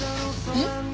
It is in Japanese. えっ？